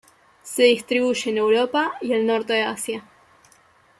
Se distribuye en Europa y el norte de Asia.